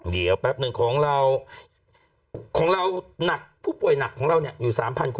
เดี๋ยวแป๊บหนึ่งของเราของเราหนักผู้ป่วยหนักของเราเนี่ยอยู่๓๐๐คน